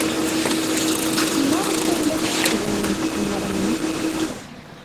Maɣef ay la d-tettbanemt tenneɣnimt?